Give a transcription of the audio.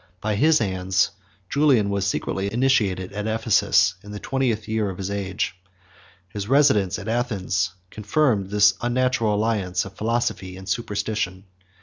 By his hands, Julian was secretly initiated at Ephesus, in the twentieth year of his age. His residence at Athens confirmed this unnatural alliance of philosophy and superstition.